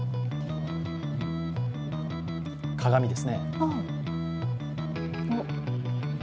鏡ですね。